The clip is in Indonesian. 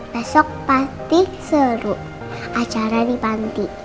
besok panti seru acara di panti